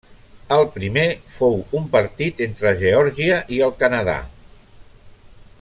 El primer fou un partit entre Geòrgia i el Canadà.